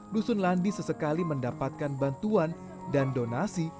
dusun landi sesekali mendapatkan bantuan dan donasi